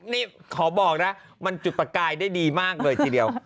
นี่ขอบอกนะมันจุดประกายได้ดีมากเลยทีเดียว